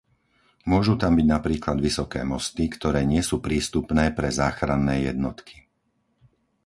Môžu tam byť napríklad vysoké mosty, ktoré nie sú prístupné pre záchranné jednotky.